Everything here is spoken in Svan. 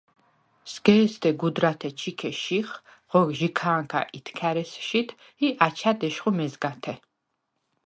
სგ’ე̄სდე გუდრათე ჩიქე შიხ, ღო ჟიქა̄ნქა ითქა̈რ ესშიდ ი აჩა̈დ ეშხუ მეზგათე.